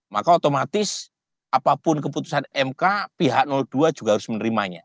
maka otomatis apapun keputusan mk pihak dua juga harus menerimanya